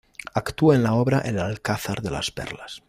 Actúa en la obra "El Alcázar de las Perlas".